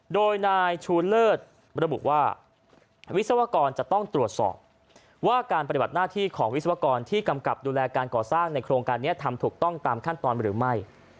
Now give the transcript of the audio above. โดยนายชูเลิศระบุว่าวิศวกรจะต้องตรวจสอบว่าการปฏิบัติหน้าที่ของวิศวกรที่กำกับดูแลการก่อสร้างในโครงการนี้ทำถูกต้องตามขั้นตอนหรือไม่